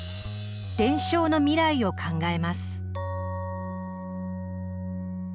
伝承の未来を考えます。